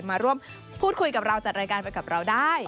มาร่วมพูดคุยกับเราจัดรายการไปกับเราได้